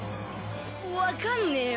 わかんねえよ。